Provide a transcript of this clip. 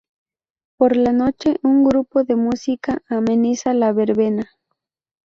Por la noche un grupo de música ameniza la verbena.